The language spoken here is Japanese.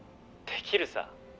「できるさ。